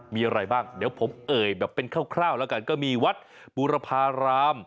มีอะไรบ้างเดี๋ยวผมเอ่ยแบบเป็นคร่าวแล้วกันก็มีวัดบูรพาราม